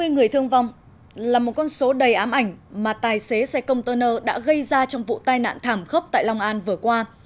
hai mươi người thương vong là một con số đầy ám ảnh mà tài xế xe container đã gây ra trong vụ tai nạn thảm khốc tại long an vừa qua